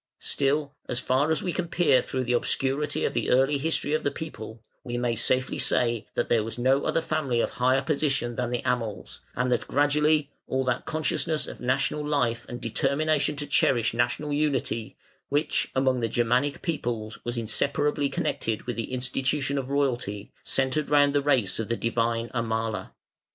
Still, as far as we can peer through the obscurity of the early history of the people, we may safely say that there was no other family of higher position than the Amals, and that gradually all that consciousness of national life and determination to cherish national unity, which among the Germanic peoples was inseparably connected with the institution of royalty, centred round the race of the divine Amala.